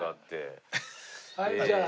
はいじゃあ。